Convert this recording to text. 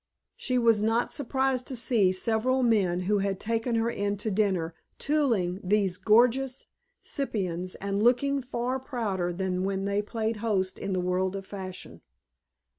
She was not surprised to see several men who had taken her in to dinner tooling these gorgeous cyprians and looking far prouder than when they played host in the world of fashion.